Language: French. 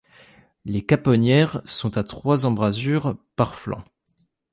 Les caponnières sont à trois embrasures par flanc.